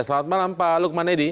selamat malam pak lukman edi